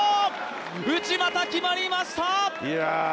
内股決まりました。